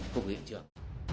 công việc trường